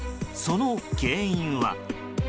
その原因は。